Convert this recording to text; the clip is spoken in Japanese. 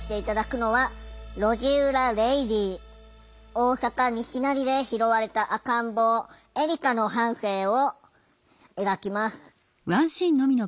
大阪・西成で拾われた赤ん坊エリカの半生を描きます。